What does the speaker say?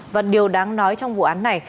và điều đáng nói trong vụ án này